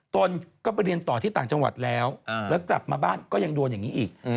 ตนก็ไปเรียนต่อที่ต่างจังหวัดแล้วแล้วกลับมาบ้านก็ยังโดนอย่างนี้อีก